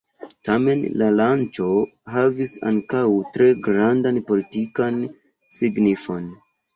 Tamen la lanĉo havis ankaŭ tre grandan politikan signifon.